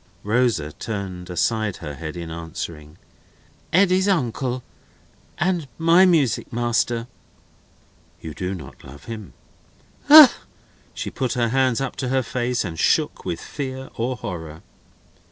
Rosa turned aside her head in answering: "Eddy's uncle, and my music master." "You do not love him?" "Ugh!" She put her hands up to her face, and shook with fear or horror.